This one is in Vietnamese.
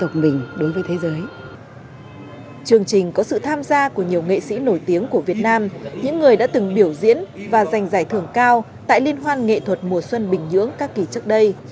chương trình có sự tham gia của nhiều nghệ sĩ nổi tiếng của việt nam những người đã từng biểu diễn và giành giải thưởng cao tại liên hoan nghệ thuật mùa xuân bình nhưỡng các kỳ trước đây